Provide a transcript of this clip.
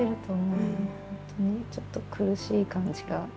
本当にちょっと苦しい感じが。